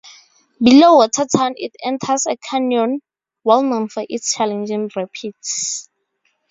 Below Watertown it enters a canyon, well known for its challenging rapids.